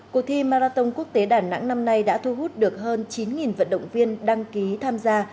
cuộc thi marathon quốc tế đà nẵng năm nay đã thu hút được hơn chín vận động viên đăng ký tham gia